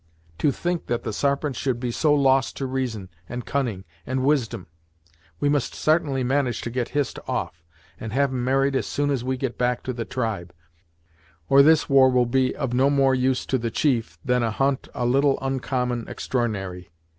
To think that the Sarpent should be so lost to reason, and cunning, and wisdom! We must sartainly manage to get Hist off, and have 'em married as soon as we get back to the tribe, or this war will be of no more use to the chief, than a hunt a little oncommon extr'ornary.